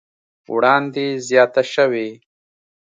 وړاندې زياته شوې